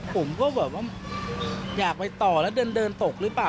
ผมก็แบบว่าอยากไปต่อแล้วเดินตกหรือเปล่า